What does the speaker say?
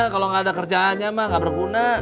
kalau nggak ada kerjaannya mah gak berguna